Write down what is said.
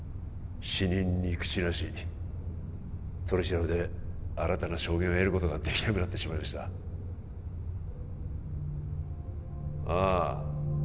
死人に口なし取り調べで新たな証言を得ることができなくなってしまいましたああ